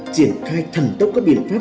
triển khai thẳng tốc các biện pháp